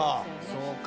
「そうか。